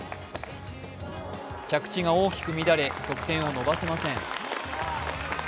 着地が大きく乱れ、得点を伸ばせません。